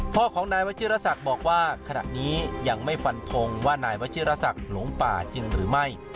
พ่อของนายวชิรษักบอกว่าขณะนี้ยังไม่ฟันทงว่านายวัชิรษักหลงป่าจริงหรือไม่